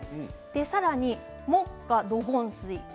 さらに木火土金水